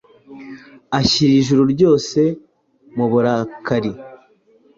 ashyira Ijuru ryose mu burakari.